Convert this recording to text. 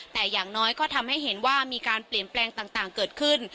แต่อย่างน้อยก็ทำให้เห็นว่ามีการเปลี่ยนแปลงต่างเกิดขึ้น